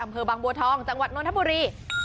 อำเภอบางบัวทองจังหวัดนทบุรี